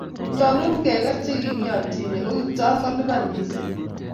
nyalun ke ker che kikianchine koKiptooon kelipan mising